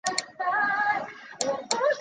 产于台湾。